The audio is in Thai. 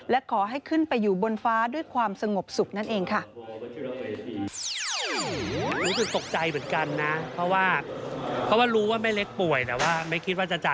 และขอให้ขึ้นไปอยู่บนฟ้าด้วยความสงบสุขนั่นเองค่ะ